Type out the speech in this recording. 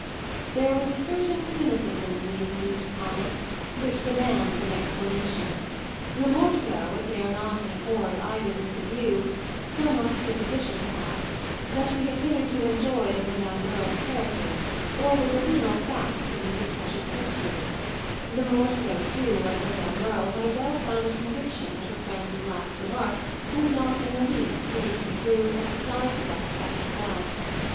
There was a certain cynicism in these mute comments which demands an explanation; the more so as they are not in accord either with the view somewhat superficial perhaps that we have hitherto enjoyed of Madame Merle's character or with the literal facts of Mrs. Touchett's history; the more so, too, as Madame Merle had a well founded conviction that her friend's last remark was not in the least to be construed as a side thrust at herself.